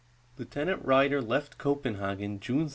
Lieutenant Ryder left Copenhagen June 7.